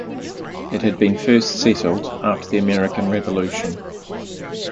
It had been first settled after the American Revolution.